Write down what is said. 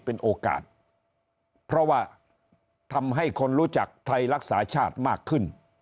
เป็นโอกาสเพราะว่าทำให้คนรู้จักไทยรักษาชาติมากขึ้น